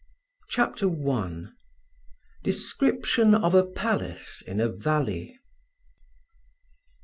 CHAPTER I DESCRIPTION OF A PALACE IN A VALLEY.